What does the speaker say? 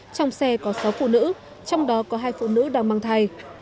trong xe có sáu phụ nữ trong đó có hai phụ nữ đang mang thai